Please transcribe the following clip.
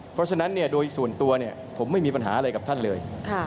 เพราะฉะนั้นโดยส่วนตัวผมไม่มีปัญหาอะไรกับท่านเลย